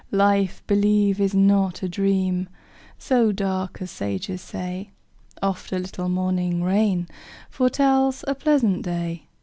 Life, believe, is not a dream So dark as sages say; Oft a little morning rain Foretells a pleasant day.